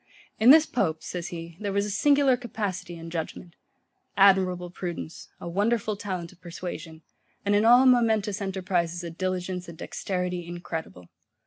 In this pope, says he, there was a singular capacity and judgement: admirable prudence; a wonderful talent of persuasion; and in all momentous enterprizes a diligence and dexterity incredible.